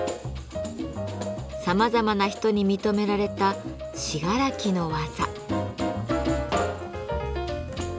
さまざまな人に認められた信楽の技。